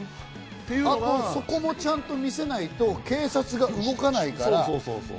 あと、そこもちゃんと見せないと警察が動かないから。